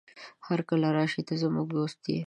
هرکله راشې، ته زموږ دوست يې.